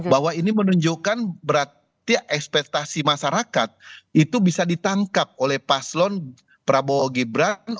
bahwa ini menunjukkan berarti ekspektasi masyarakat itu bisa ditangkap oleh paslon prabowo gibran